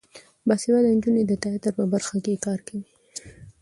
باسواده نجونې د تیاتر په برخه کې کار کوي.